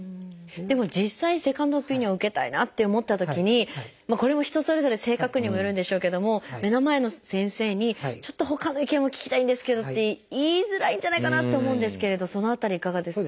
でも実際セカンドオピニオンを受けたいなって思ったときにこれも人それぞれ性格にもよるんでしょうけども目の前の先生にちょっとほかの意見も聞きたいんですけどって言いづらいんじゃないかなって思うんですけれどその辺りいかがですか？